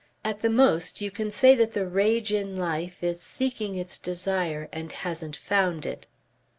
At the most you can say that the rage in life is seeking its desire and hasn't found it."